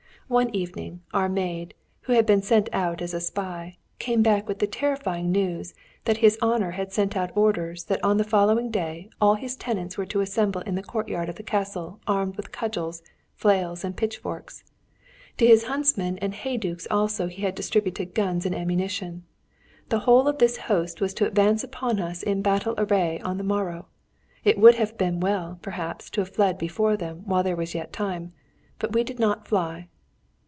One evening, our maid, who had been sent out as a spy, came back with the terrifying news that his honour had sent out orders that on the following day all his tenants were to assemble in the courtyard of the castle armed with cudgels, flails, and pitchforks; to his huntsmen and heydukes also he had distributed guns and ammunition. The whole of this host was to advance upon us in battle array on the morrow. It would have been well, perhaps, to have fled before them while there was yet time. But we did not fly."